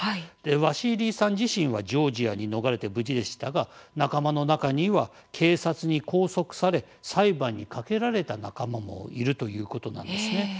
ワシーリーさん自身はジョージアに逃れて無事でしたが仲間の中には警察に拘束され裁判にかけられた仲間もいるということなんですね。